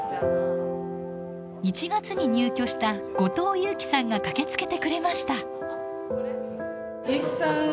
１月に入居した後藤祐輝さんが駆けつけてくれました。